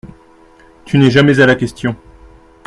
Tu n'es jamais à la question …